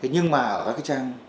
nhưng mà ở các trang